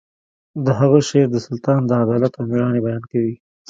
د هغه شعر د سلطان د عدالت او میړانې بیان کوي